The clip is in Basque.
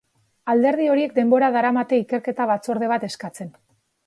Alderdi horiek denbora daramate ikerketa batzorde bat eskatzen.